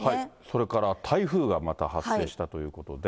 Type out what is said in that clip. それから台風がまた発生したということで。